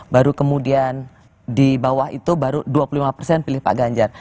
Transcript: baru kemudian di bawah itu baru dua puluh lima persen pilih pak ganjar